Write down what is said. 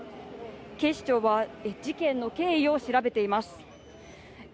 警視庁は事件の経緯を調べています。